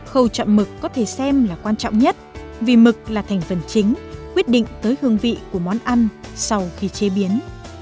khâu chọn mực có thể xem là quan trọng nhất vì mực là thành phần chính quyết định tới hương vị của món ăn sau khi chế biến